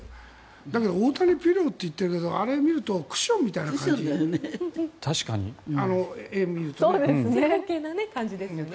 だけど大谷ピローと言っているけどあれを見るとクッションみたいな感じだよね。